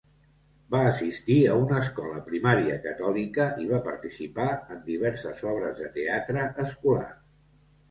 Va assistir a una escola primària catòlica i va participar en diverses obres de teatre escolars.